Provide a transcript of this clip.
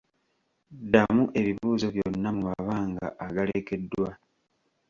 Ddamu ebibuuzo byonna mu mabanga agalekeddwa.